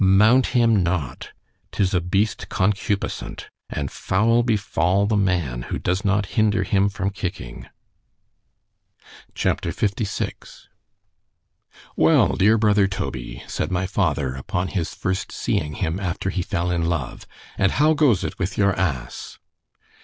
—mount him not:—'tis a beast concupiscent—and foul befal the man, who does not hinder him from kicking. C H A P. LVI WELL! dear brother Toby, said my father, upon his first seeing him after he fell in love—and how goes it with your ASSE?